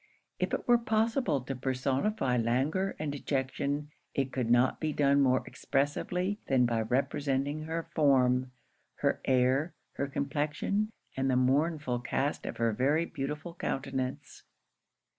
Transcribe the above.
If it were possible to personify languor and dejection, it could not be done more expressively than by representing her form, her air, her complexion, and the mournful cast of her very beautiful countenance.